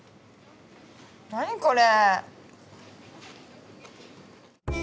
何これ。